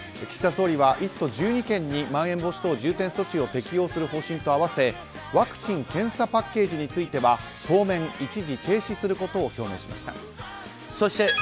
岸田総理は１都１２県にまん延防止等重点措置を適用する方針と合わせワクチン・検査パッケージについては当面、一時停止することを表明しました。